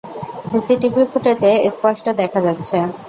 CCTV ফুটেজে স্পষ্ট দেখা যাচ্ছে।